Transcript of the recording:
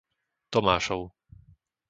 Tomášov